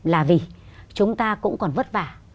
là vì chúng ta cũng còn vất vả